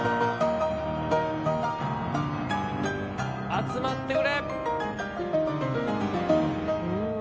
集まってくれ！